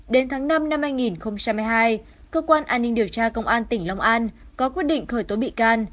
đến tháng năm năm hai nghìn hai mươi hai cơ quan an ninh điều tra công an tỉnh long an có quyết định khởi tố bị can